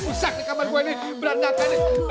usak nih kamar gue nih berantakan nih